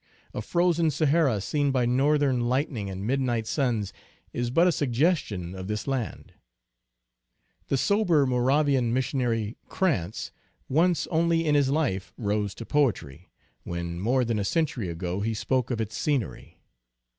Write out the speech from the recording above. A frozen Sahara seen by Northern lightning and midnight suns is but a suggestion of this land. The sober Moravian mission ary Crantz once only in his life rose to poetry, when more than a century ago he spoke of its scenery.